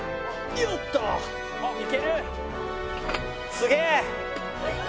すげえ！